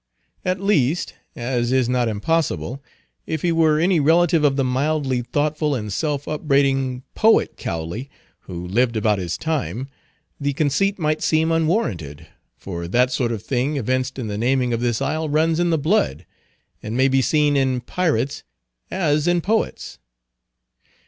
At least, as is not impossible, if he were any relative of the mildly thoughtful and self upbraiding poet Cowley, who lived about his time, the conceit might seem unwarranted; for that sort of thing evinced in the naming of this isle runs in the blood, and may be seen in pirates as in poets.